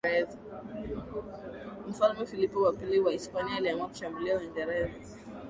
mfalme filipo wa pili wa hispania aliamua kushambulia uingereza